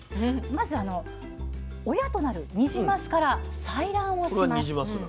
まず親となるニジマスから採卵をします。